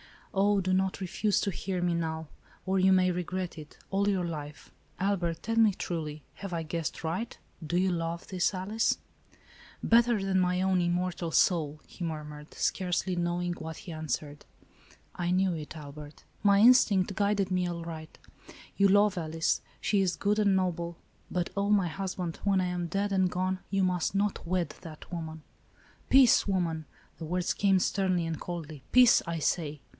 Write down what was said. Oh do not refuse to hear me now, or you may regret it, all your life l Albert, tell me truly ; have I guessed aright ? Do you love this Alice?" ALICE ; OR, THE WAGES OF SIN. 81 "Better than my own immortal soul," he mur mured, scarcely knowing what he answered. " I knew it, Albert ; my instinct guided me aright. You love Alice ; she is good and noble, but, oh my husband, when I am dead and gone, you must not wed that woman." "Peace,, woman!" the words came sternly and coldly. " Peace, I say